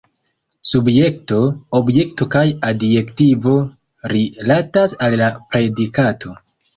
Subjekto, objekto kaj adjektivo rilatas al la predikato.